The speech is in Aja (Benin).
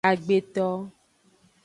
Agbeto.